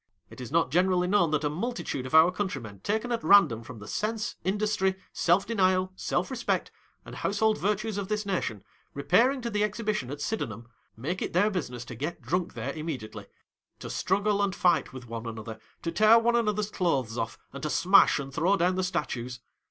It is not generally VOL. X. 232 HOUSEHOLD WORDS. [Conducted by known th;it a multitude of our countrymen taken at random from the sense, industry, self denial, self respect, and household virtues of this nation, repairing to the Exhibition at Sydenharn, make it their business to get drunk there immediately ; to struggle and fight with one another, to tear one another's clothes off, and to smash and throw down the statues.